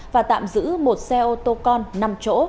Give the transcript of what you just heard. và tạm giữ một xe ô tô con năm chỗ